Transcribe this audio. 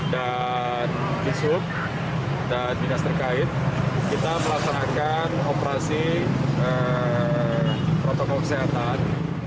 dan kisuk dan binas terkait kita melaksanakan operasi protokol kesehatan